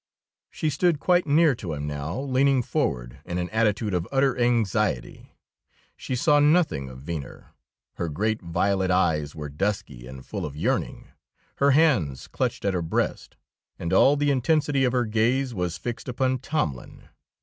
She stood quite near to him now, leaning forward in an attitude of utter anxiety. She saw nothing of Venner; her great, violet eyes were dusky and full of yearning, her hands clutched at her breast. And all the intensity of her gaze was fixed upon Tomlin.